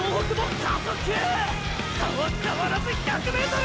差は変わらず１００ｍ！！